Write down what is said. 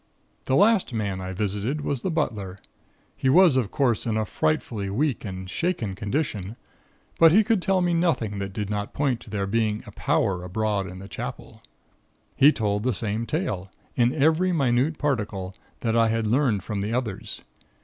"The last man I visited was the butler. He was, of course, in a frightfully weak and shaken condition, but he could tell me nothing that did not point to there being a Power abroad in the Chapel. He told the same tale, in every minute particle, that I had learned from the others.